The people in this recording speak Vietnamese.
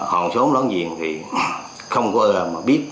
hòn chốn lớn gì thì không có mà biết